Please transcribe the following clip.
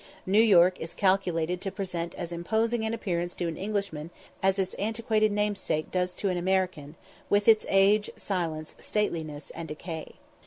New York is calculated to present as imposing an appearance to an Englishman as its antiquated namesake does to an American, with its age, silence, stateliness, and decay.